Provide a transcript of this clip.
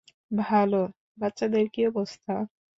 ভালো - বাচ্চাদের কি অবস্থা?